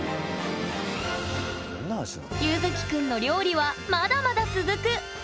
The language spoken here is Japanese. ゆずきくんの料理はまだまだ続く！